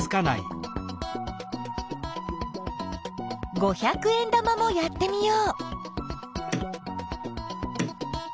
五百円玉もやってみよう。